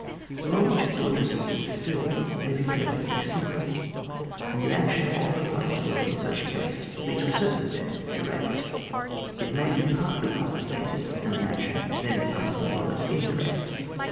The role which a fortress is to fulfil may be perfectly simple, and the action of the place will in such case be to a certain extent direct ; it may be partly complicated, and the action then becomes more or less indirect.